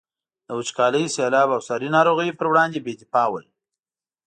د وچکالي، سیلاب او ساري ناروغیو پر وړاندې بې دفاع ول.